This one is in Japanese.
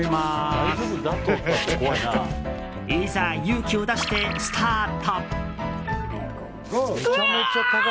いざ、勇気を出してスタート！